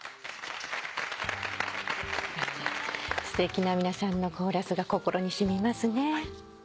すてきな皆さんのコーラスが心に染みますね。